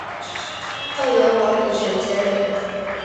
后由黄秉权接任。